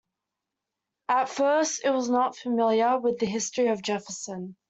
At first, it was not familiar with the history of Jefferson.